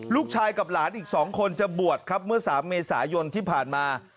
ลูกชายกับหลานอีกสองคนจะบวชเมื่อสามเมษายนที่ผ่านมา